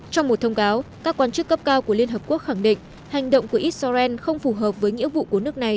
trong một thông cáo các quan chức cấp cao của liên hợp quốc khẳng định hành động của israel không phù hợp với nghĩa vụ của nước này